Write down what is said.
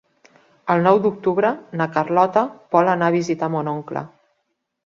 El nou d'octubre na Carlota vol anar a visitar mon oncle.